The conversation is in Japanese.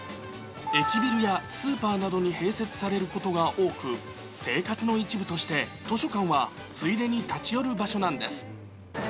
駅ビルやスーパーなどに併設されることが多く、生活の一部として図書館はついでに立ち寄る場所なんです。